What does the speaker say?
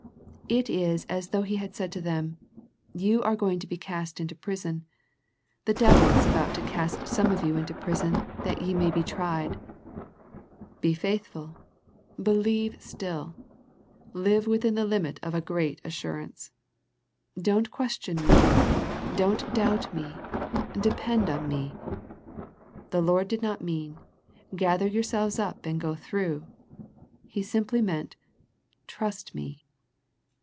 It is as though He had said to them, You are going to be cast into prison, *' the devil is about to cast some of you into prison, that ye may be tried." Be faithful, believe still. Live within the limit of a great assurance. Don't question Me, don't doubt Me, depend on Me. The Lord did not mean. Gather yourselves up and go through. He simply meant, Trust Me.